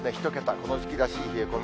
この時期らしい冷え込み。